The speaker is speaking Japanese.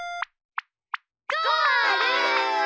ゴール！